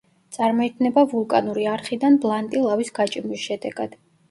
წარმოიქმნება ვულკანური არხიდან ბლანტი ლავის გაჭიმვის შედეგად.